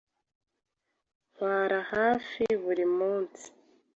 Ntwara hafi buri munsi.